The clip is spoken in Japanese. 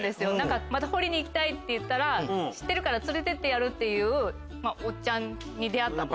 また掘りに行きたいって言ったら知ってるから連れてってやるっておっちゃんに出会ったんですね。